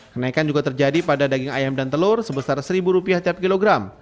kenaikan juga terjadi pada daging ayam dan telur sebesar rp satu tiap kilogram